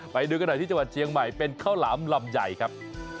ไปดูกันหน่อยที่จังหวัดเชียงใหม่เป็นข้าวหลามลำใหญ่ครับ